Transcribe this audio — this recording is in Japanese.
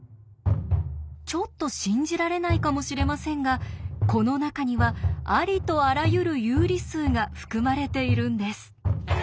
ちょっと信じられないかもしれませんがこの中にはありとあらゆる有理数が含まれているんです。